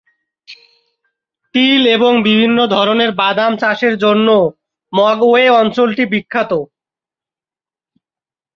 তিল এবং বিভিন্ন ধরনের বাদাম চাষের জন্য মগওয়ে অঞ্চলটি বিখ্যাত।